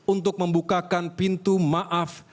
untuk membukakan pintu maaf